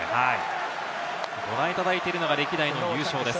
ご覧いただいているのが歴代の優勝です。